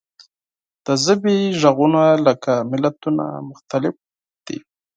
د ژبې غږونه لکه ملتونه مختلف دي.